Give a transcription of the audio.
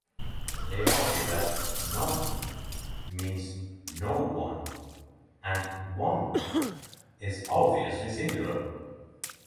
They argue that "none" means "no one", and "one" is obviously singular.